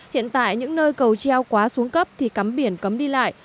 hiện tại những nơi cầu treo quá xuống cấp thì cắm biển cắm đi lại